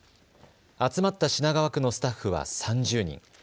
集まった品川区のスタッフは３０人。